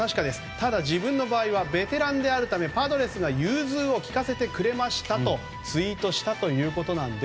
ただ自分の場合はベテランであるためパドレスが融通を利かせてくれましたとツイートしたということなんです。